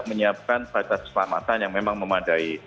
menyiapkan proses kecelamatan yang memang memandai